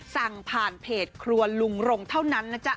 สั่งผ่านเพจครัวลุงรงเท่านั้นนะจ๊ะ